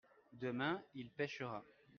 demain il pêchera.